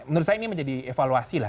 menurut saya ini menjadi evaluasi lah